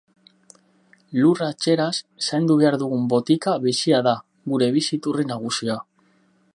Lurra txeraz zaindu behar dugun botika bizia da, gure bizi iturri nagusia.